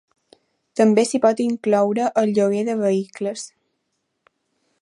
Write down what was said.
També s'hi pot incloure el lloguer de vehicles.